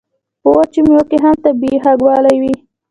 په وچو میوو کې هم طبیعي خوږوالی وي.